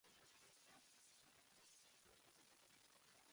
The Temple is at Public Square Street.